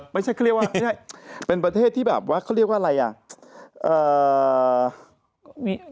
ไม่ใช่เป็นประเทศที่แบบว่าเขาเรียกว่าอะไร